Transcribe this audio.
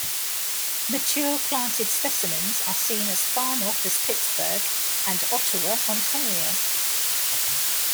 Mature planted specimens are seen as far north as Pittsburgh, and Ottawa, Ontario.